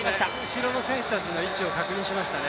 後ろの選手たちの位置を確認しましたね。